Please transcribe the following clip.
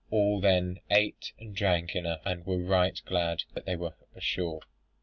All then ate and drank enough, and were right glad that they were ashore.